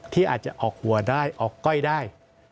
ที่อาจจะออกหัวได้ออกก้อยได้